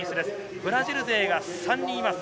ブラジル勢が３人います。